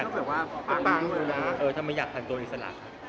ความต่างเชื่อว่าเรื่องอยากผ่านตัวอิสระ